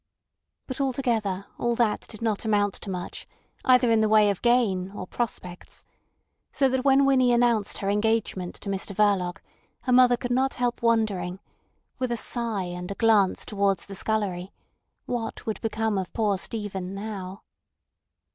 But altogether all that did not amount to much either in the way of gain or prospects; so that when Winnie announced her engagement to Mr Verloc her mother could not help wondering, with a sigh and a glance towards the scullery, what would become of poor Stephen now.